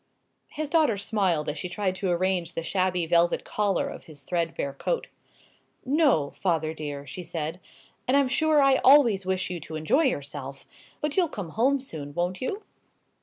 His daughter smiled as she tried to arrange the shabby velvet collar of his threadbare coat. "No, father dear," she said; "and I'm sure I always wish you to enjoy yourself. But you'll come home soon, won't you?"